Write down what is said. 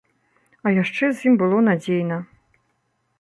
А яшчэ з ім было надзейна.